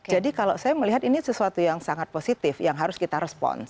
jadi kalau saya melihat ini sesuatu yang sangat positif yang harus kita respons